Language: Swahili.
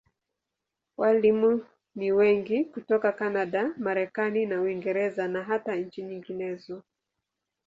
Walimu ni wengi hutoka Kanada, Marekani na Uingereza, na hata nchi nyinginezo.